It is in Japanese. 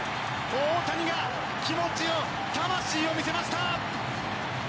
大谷が気持ちを魂を見せました。